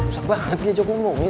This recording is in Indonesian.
susah banget ini aja ngomong